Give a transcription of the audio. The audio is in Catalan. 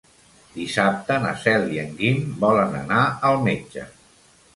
Dissabte na Cel i en Guim volen anar al metge.